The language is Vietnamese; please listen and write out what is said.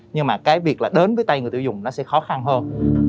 nhưng mà cái việc là đến với tay người tiêu dùng nó sẽ khó khăn hơn